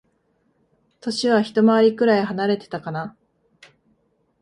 歳はひと回りくらい離れてたかな。